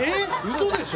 嘘でしょ？